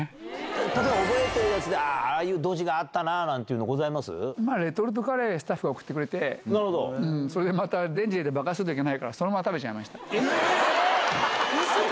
例えば、覚えてるやつで、あぁ、ああいうドジがあったなっていうのございレトルトカレーをスタッフが送ってくれて、それでまたレンジで爆発するといけないからそのまま食べちゃいまうそ？